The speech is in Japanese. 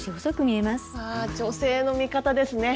女性の味方ですね。